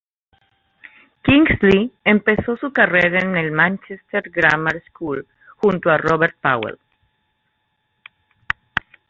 Kingsley empezó su carrera en el Manchester Grammar School junto a Robert Powell.